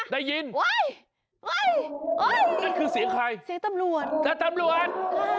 เสียงตำรวจ